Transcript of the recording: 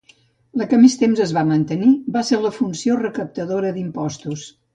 La que més temps es va mantenir va ser la funció recaptadora d'impostos.